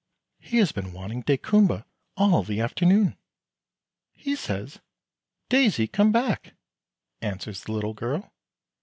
"He has been wanting daykumboa all the afternoon." "He says, 'Daisy come back,'" answers the little girl.